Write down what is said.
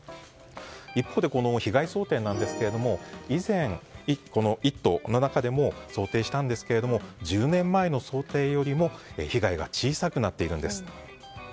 一方で被害想定なんですけど以前、この「イット！」の中でも想定したんですが１０年前の想定よりも被害が小さくなっているんです。